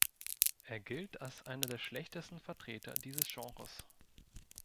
Er gilt als einer der schlechtesten Vertreter dieses Genres.